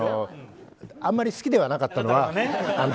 あまり好きではなかったのは。